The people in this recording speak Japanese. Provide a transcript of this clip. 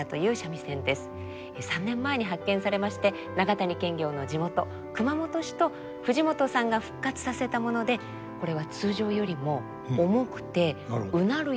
３年前に発見されまして長谷検校の地元熊本市と藤本さんが復活させたものでこれは通常よりも重くてうなるような音色ということなんですね。